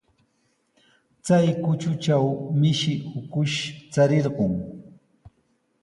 Chay kutatraw mishi ukush charirqun.